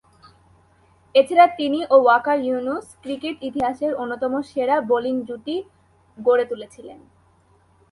এছাড়া তিনি ও ওয়াকার ইউনুস ক্রিকেট ইতিহাসের অন্যতম সেরা বোলিং জুটি গড়ে তুলেছিলেন।